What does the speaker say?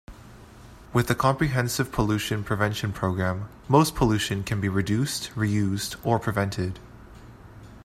With a comprehensive pollution prevention program, most pollution can be reduced, reused, or prevented.